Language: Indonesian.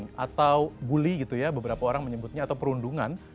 atau bully gitu ya beberapa orang menyebutnya atau perundungan